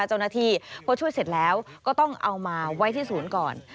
เจ้าหน้าที่พอช่วยเสร็จแล้วก็ต้องเอามาไว้ที่ศูนย์ก่อน